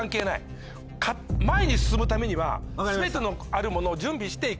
前に進むためには全てのあるものを準備して行くべき。